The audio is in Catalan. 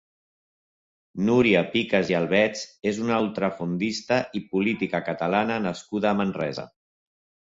Núria Picas i Albets és una ultrafondista i política catalaba nascuda a Manresa.